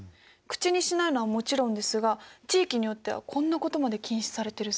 口にしないのはもちろんですが地域によってはこんなことまで禁止されてるそうです。